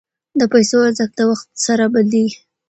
د پیسو ارزښت د وخت سره بدلیږي.